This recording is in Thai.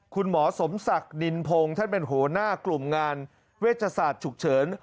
คุณหมอสมศักดิ์นินพงศ์ท่านเป็นหัวหน้ากลุ่มงานเวชศาสตร์ฉุกเฉิน